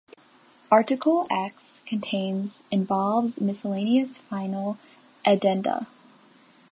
Article X contains involves miscellaneous final addenda.